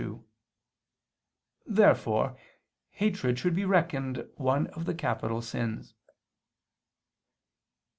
Therefore hatred should be reckoned one of the capital sins.